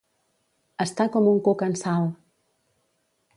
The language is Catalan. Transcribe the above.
Estar com un cuc en sal.